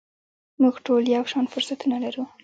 موږ ټول یو شان فرصتونه لرو .